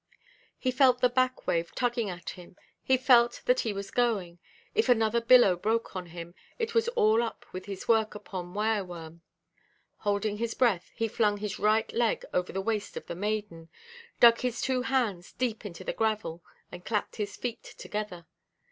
He felt the back–wave tugging at him, he felt that he was going; if another billow broke on him, it was all up with his work upon wire–worm. Holding his breath, he flung his right leg over the waist of the maiden, dug his two hands deep into the gravel, and clapped his feet together.